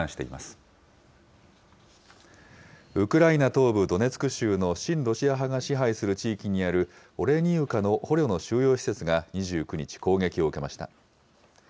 東部ドネツク州の、親ロシア派が支配する地域にあるオレニウカの捕虜を収容する施設が２９日、攻撃を受けました。